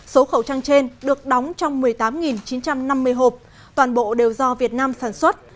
số khẩu trang trên được đóng trong một mươi tám chín trăm năm mươi hộp toàn bộ đều do việt nam sản xuất